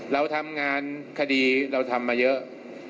เราทำงานคดีเราทำมาเยอะ